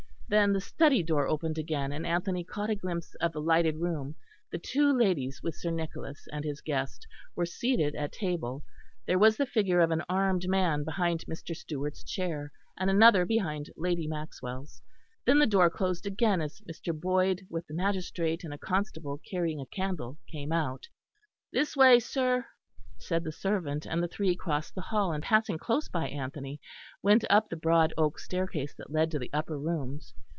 Then the study door opened again, and Anthony caught a glimpse of the lighted room; the two ladies with Sir Nicholas and his guest were seated at table; there was the figure of an armed man behind Mr. Stewart's chair, and another behind Lady Maxwell's; then the door closed again as Mr. Boyd with the magistrate and a constable carrying a candle came out. "This way, sir," said the servant; and the three crossed the hall, and passing close by Anthony, went up the broad oak staircase that led to the upper rooms.